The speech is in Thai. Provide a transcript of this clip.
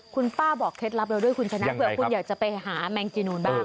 คุณป้าบอกเคล็ดลับแล้วด้วยคุณคุณคุณคุณอยากจะไปหาแมงจีนูนบ้าง